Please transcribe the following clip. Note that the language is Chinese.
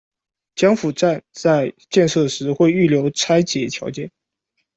江府站在建设时会预留拆解条件。